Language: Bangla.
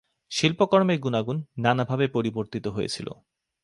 শিল্পকর্মের গুণাগুণ নানাভাবে পরিবর্তিত হয়েছিল।